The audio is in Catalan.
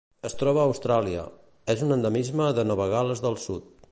Es troba a Austràlia: és un endemisme de Nova Gal·les del Sud.